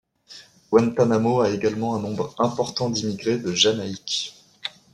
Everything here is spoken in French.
Guantánamo a également un nombre important d'immigrés de Jamaïque.